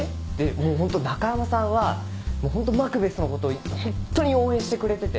もうホント中浜さんはもうホントマクベスのことをホントに応援してくれてて。